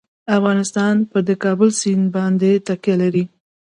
افغانستان په د کابل سیند باندې تکیه لري.